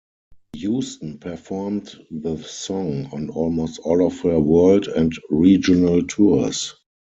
Houston performed the song on almost all of her world and regional tours.